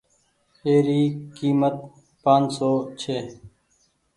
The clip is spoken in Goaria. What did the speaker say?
اي ري ڪيمت پآنچ سون ڇي۔